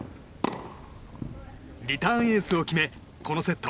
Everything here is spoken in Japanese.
リターンエースを決めこのセット